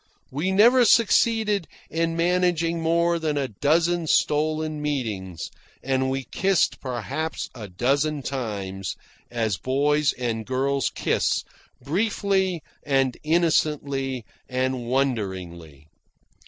We never succeeded in managing more than a dozen stolen meetings, and we kissed perhaps a dozen times as boys and girls kiss, briefly and innocently, and wonderingly.